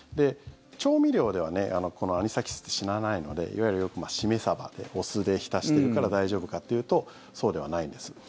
調味料ではこのアニサキスって死なないのでいわゆるシメサバでお酢で浸してるから大丈夫かというとそうではないんです。